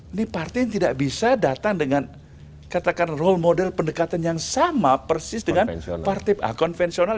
ini partai yang tidak bisa datang dengan katakan role model pendekatan yang sama persis dengan partai konvensional